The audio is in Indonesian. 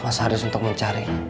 bapak harus untuk mencari